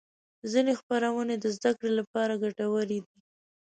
ځینې خپرونې د زدهکړې لپاره ګټورې دي.